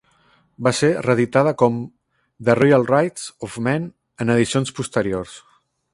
Va ser reeditada com "The Real Rights of Man" en edicions posteriors.